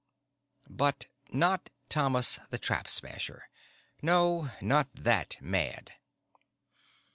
But not Thomas the Trap Smasher. No, not that mad.